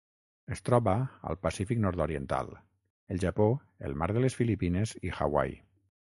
Es troba al Pacífic nord-occidental: el Japó, el mar de les Filipines i Hawaii.